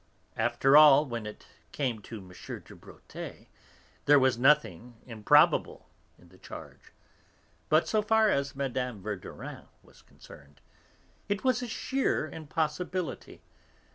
After all, when it came to M. de Bréauté, there was nothing improbable in the charge; but so far as Mme. Verdurin was concerned, it was a sheer impossibility.